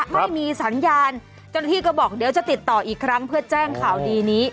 ไม่มีสัญญาณเจ้าหน้าที่ก็บอกเดี๋ยวจะติดต่ออีกครั้งเพื่อแจ้งข่าวดีนี้